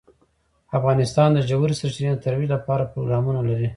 افغانستان د ژورې سرچینې د ترویج لپاره پروګرامونه لري.